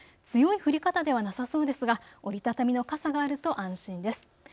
強い降り方ではなさそうですが折り畳みの傘があると安心です。